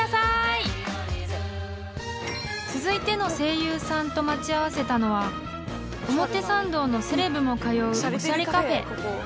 ［続いての声優さんと待ち合わせたのは表参道のセレブも通うおしゃれカフェ］